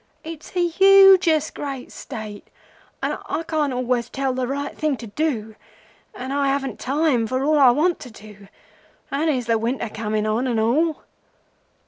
It's a hugeous great State, and I can't always tell the right thing to do, and I haven't time for all I want to do, and here's the winter coming on and all.